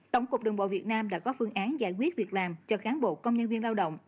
tổng cục đường bộ việt nam đã có phương án giải quyết việc làm cho cán bộ công nhân viên lao động